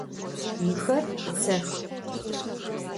Mıxer tsex.